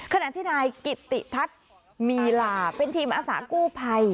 ขณะที่นายกิตติทัศน์มีลาเป็นทีมอาสากู้ภัย